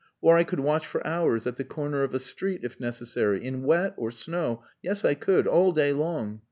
Or I could watch for hours at the corner of a street if necessary, in wet or snow yes, I could all day long.